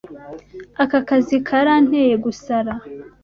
Aka kazi karanteye gusara.